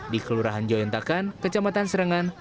di kelurahan joyentakan kecamatan serengan